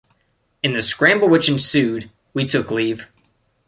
In the scramble which ensued, we took leave.